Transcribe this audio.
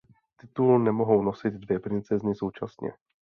Titul nemohou nosit dvě princezny současně.